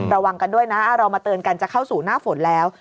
ระวังกันด้วยนะเรามาเตือนกันจะเข้าสู่หน้าฝนแล้ว